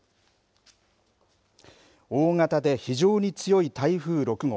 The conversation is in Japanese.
大型で非常に強い台風６号。